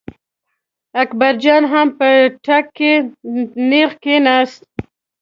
اکبر جان هم په کټ کې نېغ کېناست.